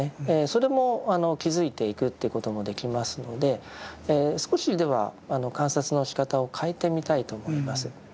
それも気づいていくということもできますので少しでは観察のしかたを変えてみたいと思います。